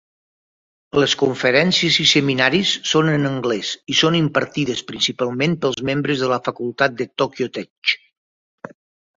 Les conferències i seminaris són en anglès i són impartides principalment pels membres de la facultat de Tòquio Tech.